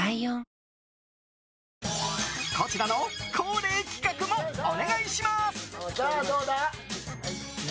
こちらの恒例企画もお願いします。